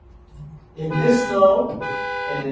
The caucus was called "Amsterdam".